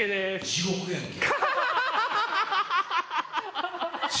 地獄やんけ。